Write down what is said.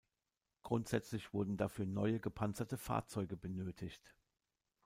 Grundsätzlich wurden dafür neue gepanzerte Fahrzeuge benötigt.